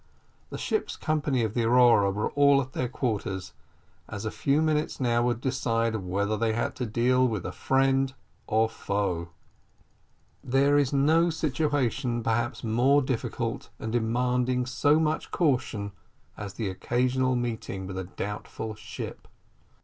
The ship's company of the Aurora were all at their quarters, as a few minutes would now decide whether they had to deal with a friend or a foe. There is no situation perhaps more difficult, and demanding so much caution, as the occasional meeting with a doubtful ship.